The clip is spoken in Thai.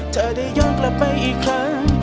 จะได้ย้อนกลับไปอีกครั้ง